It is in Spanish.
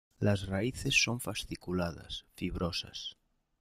Las raíces son fasciculadas, fibrosas.